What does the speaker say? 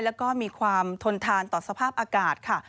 แล้วก็มีความทนทานต่อสภาพอากาศค่ะ